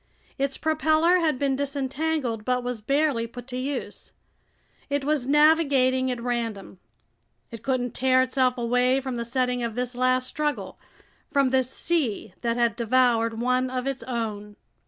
Its propeller had been disentangled but was barely put to use. It was navigating at random. It couldn't tear itself away from the setting of this last struggle, from this sea that had devoured one of its own!